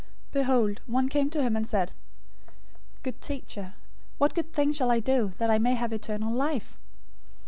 019:016 Behold, one came to him and said, "Good teacher, what good thing shall I do, that I may have eternal life?"